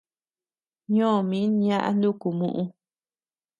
Ñoo min ñaʼa nuku muʼu.